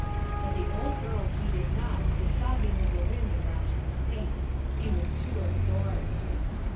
But the old earl heeded not the sogging of the wind around his seat. He was too absorbed.